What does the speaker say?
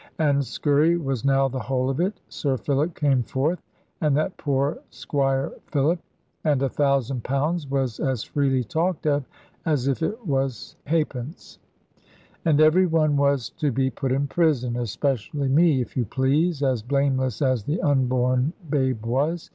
And scurry was now the whole of it. Sir Philip came forth, and that poor Squire Philip; and a thousand pounds was as freely talked of as if it was halfpence. And every one was to be put in prison; especially me, if you please, as blameless as the unborn babe was!